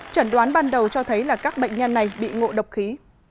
chẩn đoán ban đầu cho thấy là các bệnh nhân này bị ngộ độc khí